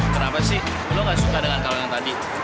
kenapa sih lo nggak suka dengan kalung yang tadi